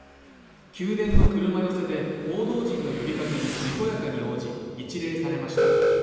宮殿の車寄で報道陣の呼びかけににこやかに応じ、一礼されました。